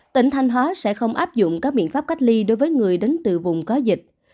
tỉnh thanh hóa sẽ không áp dụng các biện pháp cách ly đối với người đến từ vùng có dịch